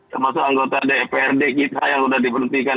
termasuk anggota dprd kita yang sudah diberhentikan